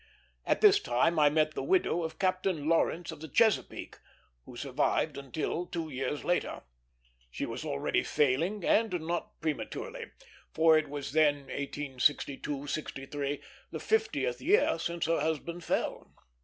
At this time I met the widow of Captain Lawrence of the Chesapeake, who survived until two years later. She was already failing, and not prematurely; for it was then, 1862 63, the fiftieth year since her husband fell.